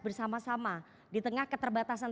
bersama sama di tengah keterbatasan